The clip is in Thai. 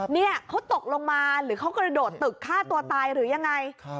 เนี่ยเขาตกลงมาหรือเขากระโดดตึกฆ่าตัวตายหรือยังไง